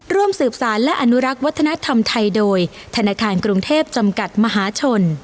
ร่วมสืบสารและอนุรักษ์วัฒนธรรมไทยโดยธนาคารกรุงเทพจำกัดมหาชน